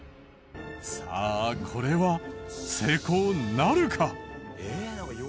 さあこれは成功なるか？